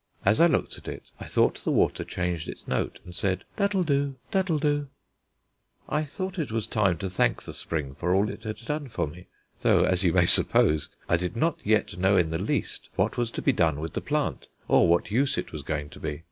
As I looked at it I thought the water changed its note and said, "That'll do, that'll do." I thought it was time to thank the spring for all it had done for me, though, as you may suppose, I did not yet know in the least what was to be done with the plant, or what use it was going to be.